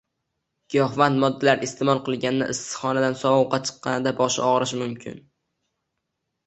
Giyohvand moddalar iste’mol qilganda, issiq xonadan sovuqqa chiqqanda boshi og‘rishi mumkin.